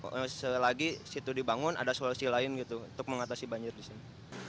kalau selagi situ dibangun ada solusi lain gitu untuk mengatasi banjir di sini